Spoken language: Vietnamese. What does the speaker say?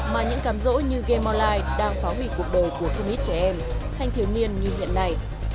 mà những cam rỗ như game online đang phá hủy cuộc đời của không ít trẻ em thanh thiếu niên như hiện nay